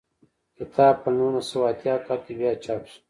کتاب په نولس سوه اتیا کال کې بیا چاپ شو.